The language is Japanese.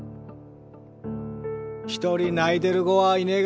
一人泣いてる子はいねが。